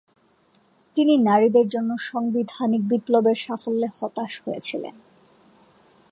তিনি নারীদের জন্য সাংবিধানিক বিপ্লবের সাফল্যে হতাশ হয়েছিলেন।